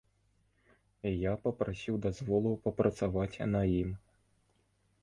Я папрасіў дазволу папрацаваць на ім.